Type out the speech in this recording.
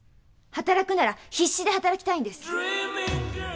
働くなら必死で働きたいんです！